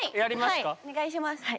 お願いします。